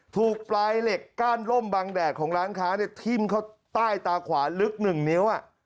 ถูกปลายเหล็กก้านล่มบางแดดของร้านค้าทิ้มเข้าใต้ตาขวาลึกหนึ่งนิ้ว